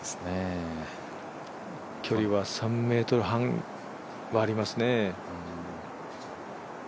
距離は３ｍ半はありますね。